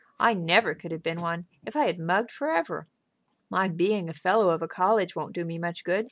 I never could have been one if I had mugged forever." "My being a fellow of a college won't do me much good.